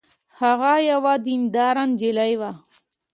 هغه یوه دینداره نجلۍ وه